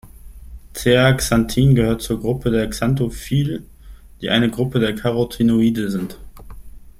Zeaxanthin gehört zur Gruppe der Xanthophylle, die eine Gruppe der Carotinoide sind.